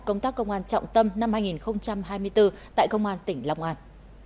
công tác công an trọng tâm năm hai nghìn hai mươi bốn tại công an tỉnh long an